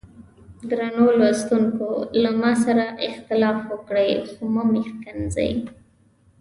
درنو لوستونکو له ما سره اختلاف وکړئ خو مه مې ښکنځئ.